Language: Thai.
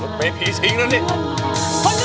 รถเมร์พี่ชิงเป็นก็ได้